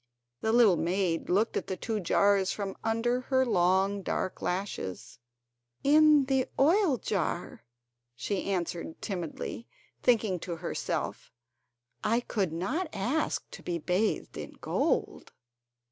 The little maid looked at the two jars from under her long dark lashes: "In the oil jar," she answered timidly, thinking to herself: "I could not ask to be bathed in gold."